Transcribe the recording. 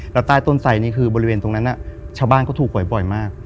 แล้วใต้ต้นไสนี่คือบริเวณตรงนั้นชาวบ้านก็ถูกบ่อยมาก